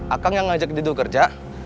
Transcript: akang yang ngajak didu kerja